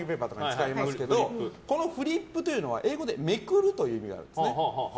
このフリップというのは英語でめくるという意味なんです。